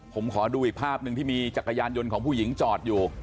ผมขอดูอีกภาพหนึ่งที่มีจักรยานยนต์ของผู้หญิงจอดอยู่